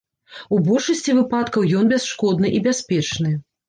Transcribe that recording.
У большасці выпадкаў ён бясшкодны і бяспечны.